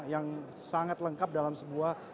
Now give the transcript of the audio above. yang sangat lengkap dalam sebuah